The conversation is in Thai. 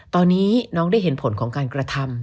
ตอนนี้น้องได้เห็นผลของการกระทำ